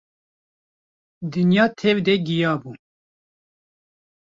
Dinya tev de giya bû.